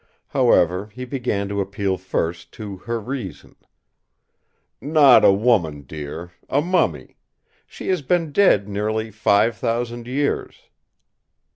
However, he began to appeal first to her reason: "Not a woman, dear; a mummy! She has been dead nearly five thousand years!"